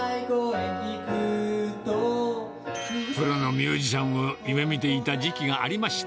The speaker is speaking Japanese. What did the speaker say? プロのミュージシャンを夢みていた時期がありました。